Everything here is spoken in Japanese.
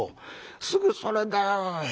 すぐそれだよおい。